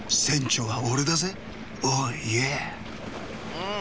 うん。